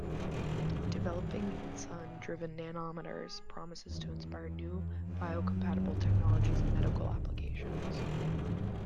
Developing enzyme-driven nanomotors promises to inspire new biocompatible technologies and medical applications.